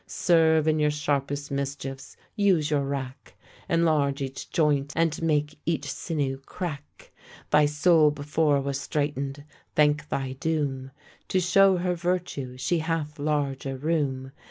Serve in your sharpest mischiefs; use your rack, Enlarge each joint, and make each sinew crack; Thy soul before was straitened; thank thy doom, To show her virtue she hath larger room.